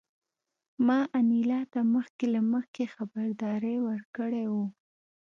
ما انیلا ته مخکې له مخکې خبرداری ورکړی و